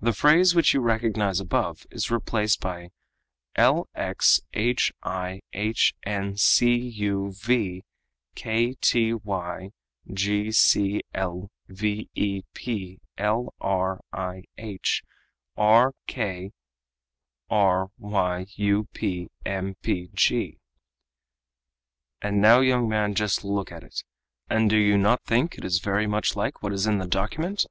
the phrase which you recognize above is replaced by lxhihncuvktygclveplrihrkryupmpg. "And now, young man, just look at it, and do you not think it is very much like what is in the document?